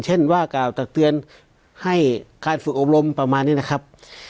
เช่นว่ากล่าวตักเตือนให้การฝึกอบรมประมาณนี้นะครับ